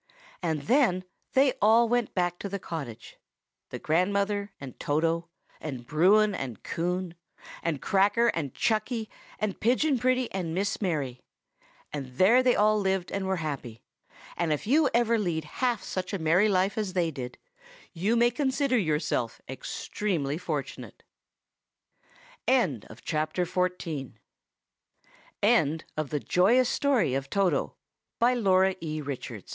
And then they all went back to the cottage,—the grandmother, and Toto, and Bruin, and Coon, and Cracker, and Chucky, and Pigeon Pretty, and Miss Mary,—and there they all lived and were happy; and if you ever lead half such a merry life as they did, you may consider yourself extremely fortunate. THE END. _Messrs. Roberts Brothers